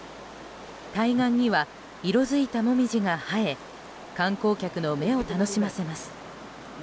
対岸には色づいたモミジが映え観光客の目を楽しませます。